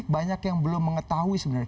banyak yang belum mengetahui sebenarnya